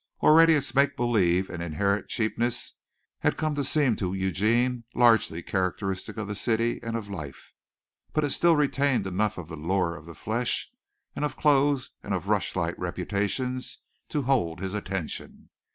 Already its make believe and inherent cheapness had come to seem to Eugene largely characteristic of the city and of life, but it still retained enough of the lure of the flesh and of clothes and of rush light reputations to hold his attention.